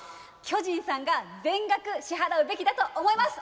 巨人さんが全額支払うべきだと思います。